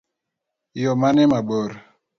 Yoo mane mabor?